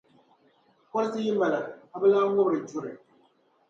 Kɔrisi yi mali a, a bi lan ŋubiri juri.